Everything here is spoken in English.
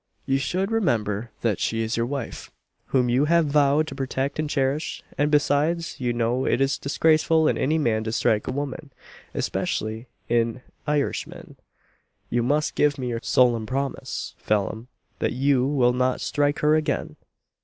"You should remember that she is your wife, whom you have vowed to protect and cherish; and besides, you know it is disgraceful in any man to strike a woman especially in an Irishman. You must give me your solemn promise, Phelim, that you will not strike her again."